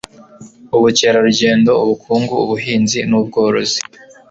ubukerarugendo ubukungu ubuhinzi n ubworozi